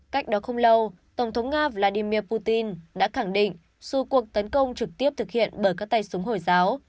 cách đó không lâu tổng thống nga vladimir putin đã khẳng định dù cuộc tấn công trực tiếp thực hiện bởi các tay súng hồi giáo